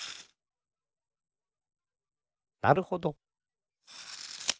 なるほど。